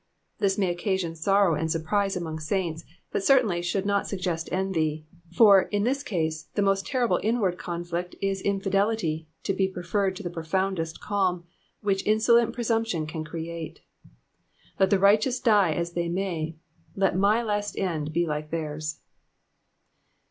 This may occasion sorrow and surprise among saints, but certainly should not suggest envy, for, in this case, the most terrible inward conflict is infinitely to be preferred to the profoundest calm which insolent presumption <*an create. Let the righteous die as they may, let my last end be like theirs.